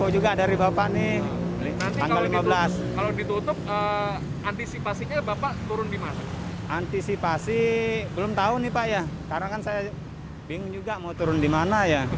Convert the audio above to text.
jadi belum tahu nih pak ya karena kan saya bingung juga mau turun di mana ya